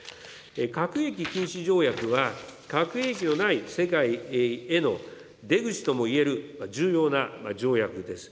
核兵器禁止条約は、核兵器のない世界への出口ともいえる重要な条約です。